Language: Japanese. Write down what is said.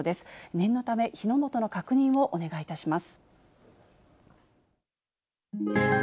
念のため、火の元の確認をお願いいたします。